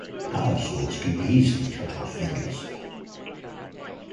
Power saws can easily cut off fingers.